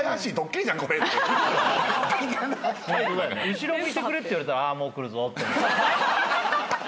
後ろ向いてくれって言われたら「もう来るぞ」と。